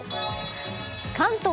関東